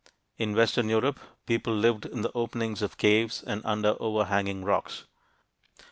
In western Europe, people lived in the openings of caves and under overhanging rocks.